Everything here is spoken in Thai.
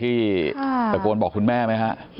ลูกชายวัย๑๘ขวบบวชหน้าไฟให้กับพุ่งชนจนเสียชีวิตแล้วนะครับ